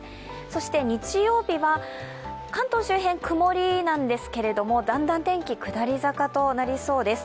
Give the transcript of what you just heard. そして日曜日は、関東周辺、曇りなんですけれども、だんだん天気下り坂となりそうです。